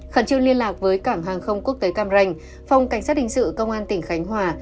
khẩn trương liên lạc với cảng hàng không quốc tế cam ranh phòng cảnh sát hình sự công an tỉnh khánh hòa